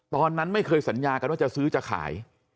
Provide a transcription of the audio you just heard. ตอนนั้นไม่เคยสัญญากันว่าจะซื้อจะขาย